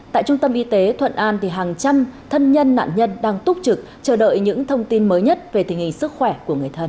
tại trung tâm y tế thuận an hàng trăm thân nhân nạn nhân đang túc trực chờ đợi những thông tin mới nhất về tình hình sức khỏe của người thân